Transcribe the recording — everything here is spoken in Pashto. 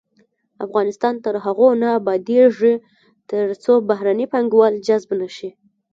افغانستان تر هغو نه ابادیږي، ترڅو بهرني پانګوال جذب نشي.